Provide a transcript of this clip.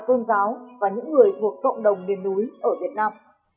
tôn giáo và những người thuộc cộng đồng miền núi ở việt nam